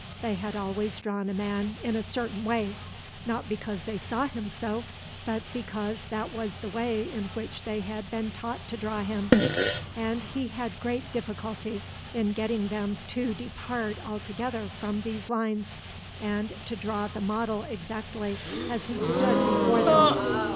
They had always drawn a man in a certain way, not because they saw him so, but because that was the way in which they had been taught to draw him; and he had great difficulty in getting them to depart altogether from these lines, and to draw the model exactly as he stood before them.